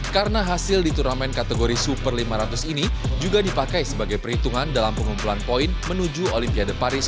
karena hasil di turnamen kategori super lima ratus ini juga dipakai sebagai perhitungan dalam pengumpulan poin menuju olympia de paris dua ribu dua puluh empat